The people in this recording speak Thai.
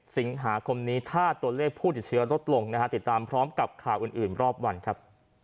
สิงหาคมนี้ถ้าตัวเลขผู้ติดเชื้อลดลงนะฮะติดตามพร้อมกับข่าวอื่นรอบวันครับ